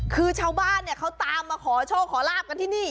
คือชาวบ้านเนี่ยเขาตามมาขอโชคขอลาบกันที่นี่